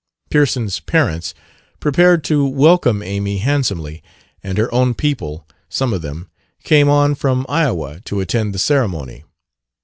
Pearson's parents prepared to welcome Amy handsomely; and her own people some of them came on from Iowa to attend the ceremony.